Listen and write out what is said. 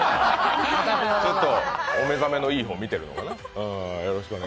ちょっとお目覚めのいい方見てるかな。